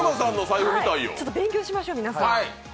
ちょっと勉強しましょう皆さん。